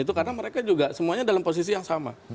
itu karena mereka juga semuanya dalam posisi yang sama